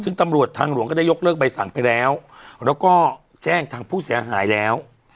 ซึ่งตำรวจทางหลวงก็ได้ยกเลิกใบสั่งไปแล้วแล้วก็แจ้งทางผู้เสียหายแล้ว